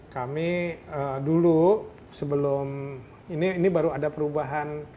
kami dulu sebelum ini baru ada perubahan